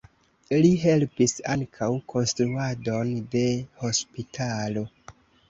Li helpis ankaŭ konstruadon de hospitalo.